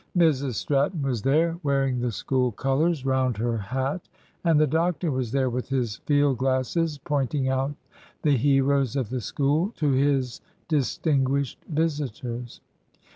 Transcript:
Mrs Stratton was there, wearing the School colours round her hat; and the doctor was there with his field glasses, pointing out the heroes of the School to his distinguished visitors.